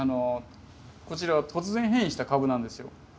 こちらは突然変異をした株なんですよ。